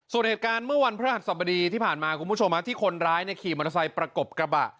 ส่วนเหตุการณ์เมื่อวันพระหัสสบดีที่ผ่านมาคุณผู้ชมที่คนร้ายขี่มอเตอร์ไซค์ประกบกระบะ